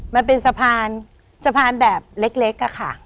มันเป็นสะพานสะพานแบบเล็กอะค่ะ